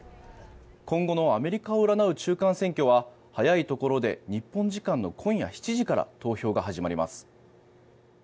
今後のアメリカを占う中間選挙は早いところで日本時間の今夜７時から投票が始まります。